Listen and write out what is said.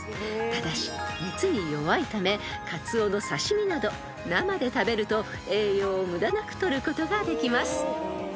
［ただし熱に弱いためカツオの刺し身など生で食べると栄養を無駄なく取ることができます］